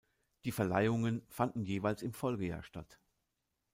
Die Verleihungen fanden jeweils im Folgejahr statt.